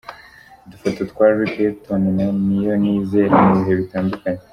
Udufoto twa Rick Hilton na Niyonizera mu bihe bitandukanye